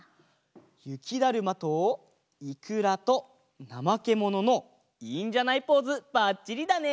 ゆきだるまといくらとなまけもののいいんじゃないポーズばっちりだね！